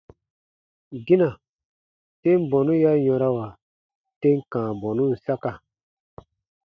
Gina, tem bɔnu ya yɔ̃rawa tem kãa bɔnun saka.